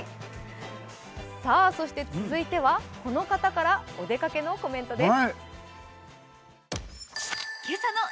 続いては、この方からお出かけのコメントです。